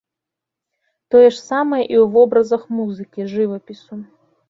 Тое ж самае і ў вобразах музыкі, жывапісу.